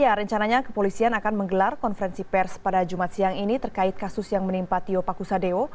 ya rencananya kepolisian akan menggelar konferensi pers pada jumat siang ini terkait kasus yang menimpa tio pakusadeo